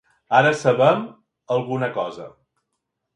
Ara sabem alguna cosa.